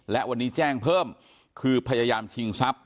และวันนี้แจ้งเพิ่มคือพยายามชิงทรัพย